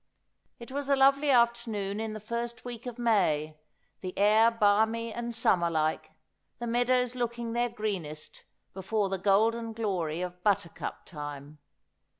It was a lovely afternoon in the first week of May, the air balmy and summer like, the meadows looking their greenest before the golden glory of buttercup time.